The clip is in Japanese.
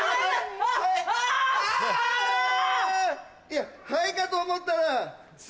いやハエかと思ったら。